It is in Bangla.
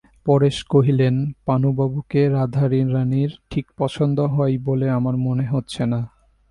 পরেশ কহিলেন, পানুবাবুকে রাধারানীর ঠিক পছন্দ হয় বলে আমার মনে হচ্ছে না।